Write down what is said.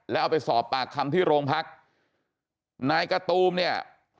แล้วเอาไปสอบปากคำที่โรงพักนายกะตูมเนี่ย